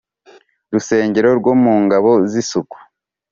rusengo rwo mu ngabo z' isuku